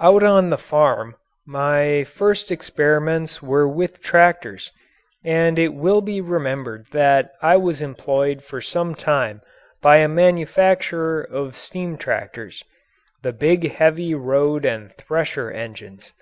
Out on the farm my first experiments were with tractors, and it will be remembered that I was employed for some time by a manufacturer of steam tractors the big heavy road and thresher engines.